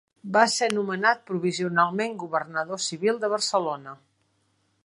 Va ser nomenat provisionalment governador civil de Barcelona.